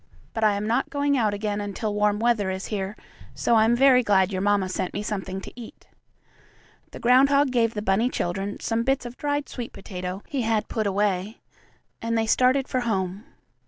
But I am not going out again until warm weather is here, so I am very glad your mamma sent me something to eat." The groundhog gave the bunny children some bits of dried sweet potato he had put away, and they started for home.